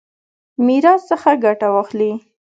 میراث څخه ګټه واخلي.